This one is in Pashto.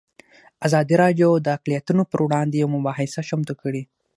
ازادي راډیو د اقلیتونه پر وړاندې یوه مباحثه چمتو کړې.